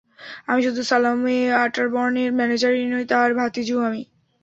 আমি শুধু স্যালোমে অট্যারবোর্নের ম্যানেজারই নই, তার ভাতিঝিও আমি!